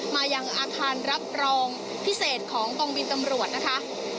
มายังอาคารรับรองพิเศษของกองบินตำรวจนะคะ